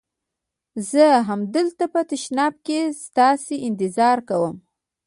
زه همدلته په تشناب کې ستاسي انتظار کوم.